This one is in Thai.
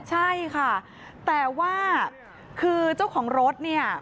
ใช่ค่ะแต่ว่าคือเจ้าของรถเนี่ย